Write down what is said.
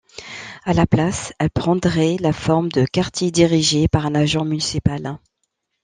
À la place, elle prendrait la forme de quartier dirigé par un agent municipal.